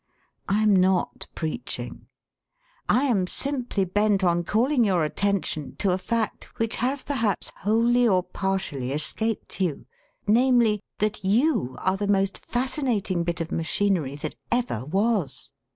I am not preaching. I am simply bent on calling your attention to a fact which has perhaps wholly or partially escaped you namely, that you are the most fascinating bit of machinery that ever was.